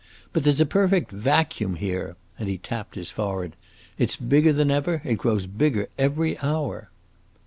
But there 's a perfect vacuum here!" And he tapped his forehead. "It 's bigger than ever; it grows bigger every hour!"